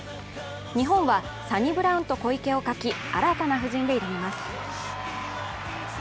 日本はサニブラウンと小池を欠き、新たな布陣で挑みます。